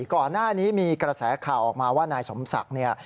ก่อนหน้านี้มีกระแสข่าวออกมาว่านายสมศักดิ์เนี่ย